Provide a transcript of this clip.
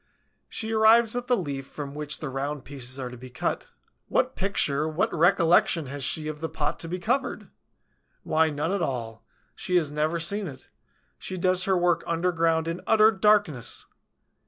She arrives at the leaf from which the round pieces are to be cut. What picture, what recollection has she of the pot to be covered? Why, none at all; she has never seen it; she does her work underground, in utter darkness!